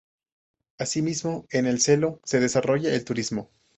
Asimismo en el "seló" se desarrolla el turismo.